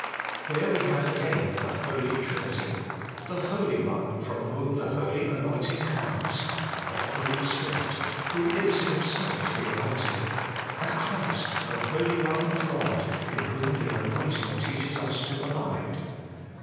Here we have again the Holy Trinity: the Holy One, from whom the holy anointing comes ; the Holy Spirit, who is Himself the anointing ; and Christ, the Holy One of God, in whom the anoint ing teaches us to abide.